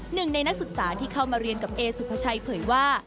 หนึ่งในนักศึกษาที่เข้ามาเรียนกับเอสุภาชัยเผยว่า